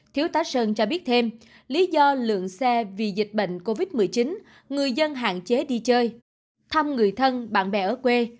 thiếu tá sơn cho biết thêm lý do lượng xe vì dịch bệnh covid một mươi chín người dân hạn chế đi chơi thăm người thân bạn bè ở quê